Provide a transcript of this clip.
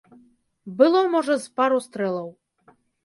Было, можа, з пару стрэлаў.